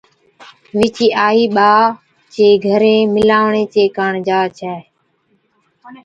وِچي آئِي ٻا چي گھرين مِلاوڻي چي ڪاڻ جا ڇَي